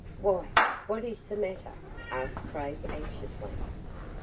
"Why what is the matter?" asked Craig, anxiously.